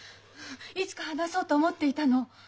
いつか話そうと思っていたの。